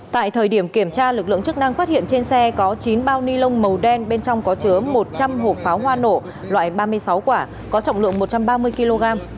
tại thời điểm kiểm tra lực lượng chức năng phát hiện trên xe có chín bao ni lông màu đen bên trong có chứa một trăm linh hộp pháo hoa nổ loại ba mươi sáu quả có trọng lượng một trăm ba mươi kg